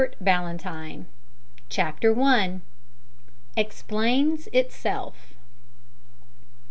BALLANTYNE. CHAPTER ONE. EXPLAINS ITSELF.